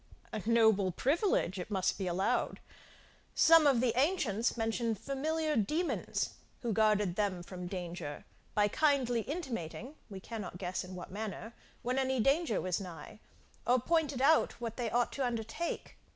A noble privilege, it must be allowed. Some of the ancients mention familiar demons, who guarded them from danger, by kindly intimating (we cannot guess in what manner,) when any danger was nigh; or pointed out what they ought to undertake.